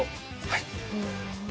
はい。